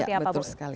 ya betul sekali